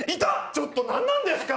ちょっと何なんですか。